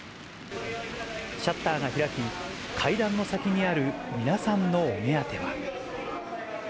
シャッターが開き、階段の先にある皆さんのお目当ては。